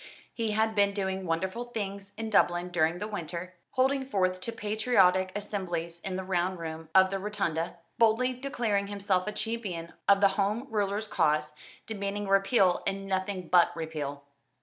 He had been doing wonderful things in Dublin during the winter, holding forth to patriotic assemblies in the Round Room of the Rotunda, boldly declaring himself a champion of the Home Rulers' cause, demanding Repeal and nothing but Repeal.